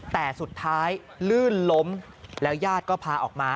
แต่สุดท้ายลื่นล้มแล้วญาติก็พาออกมา